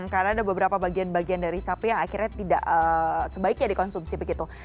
karena ada beberapa bagian bagian dari sapi yang akhirnya tidak sebaiknya dikonsumsi begitu